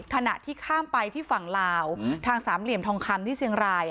ขณะที่ข้ามไปที่ฝั่งลาวทางสามเหลี่ยมทองคำที่เชียงราย